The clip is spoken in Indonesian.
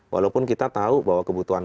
walaupun kita tahu bahwa kebutuhan